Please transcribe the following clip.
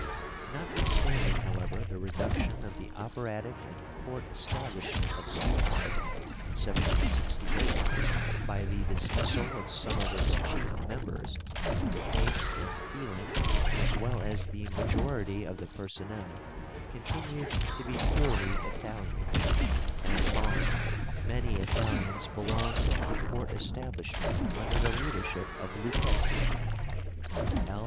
Notwithstanding, however, the reduction of the operatic and court establishment of Stuttgart in 1768, by the dismissal of some of its chief members, the taste and feeling, as well as the majority of the personnel, continued to be purely Italian; and at Bonn many Italians belonged to the court establishment, under the leadership of Lucchesi. L.